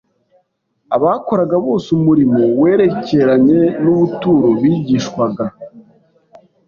Abakoraga bose umurimo werekeranye n’ubuturo bigishwaga